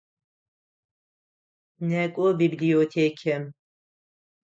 Некӏо библиотекэм!